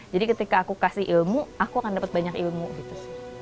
jadi ketika aku kasih ilmu aku akan dapat banyak ilmu gitu